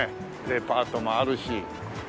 デパートもあるし。